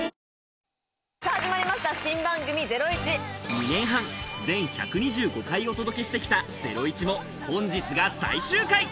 ２年半、全１２５回お届けしてきた『ゼロイチ』も本日が最終回。